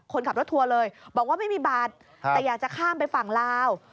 คนขับรถทัวร์เลยบอกว่าไม่มีบัตรแต่อยากจะข้ามไปฝั่งลาว